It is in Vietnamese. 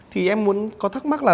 thì em muốn có thắc mắc là